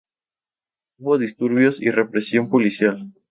Hubo disturbios y represión policial.